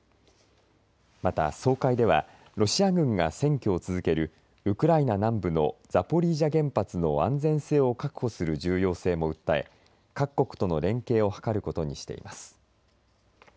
また総会ではロシア軍が占拠を続けるウクライナ南部のザポリージャ原発の安全性を確保する重要性も訴え各国との連携を図ることにしています。